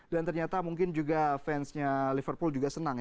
dan ternyata mungkin fansnya liverpool juga senang